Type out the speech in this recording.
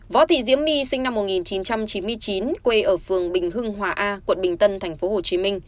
võ thị diễm my sinh năm một nghìn chín trăm chín mươi chín quê ở phường bình hưng hòa a quận bình tân tp hcm